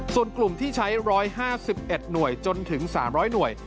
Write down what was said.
ส่วนกลุ่มที่ใช้๑๕๑หน่วยจนถึง๓๐๐หน่วย